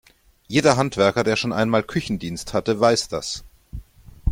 Jeder Handwerker, der schon einmal Küchendienst hatte, weiß das.